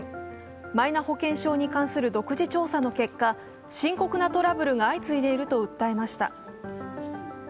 マイナ保険証に関する独自調査の結果、深刻なトラブルが相次いでいると訴えました。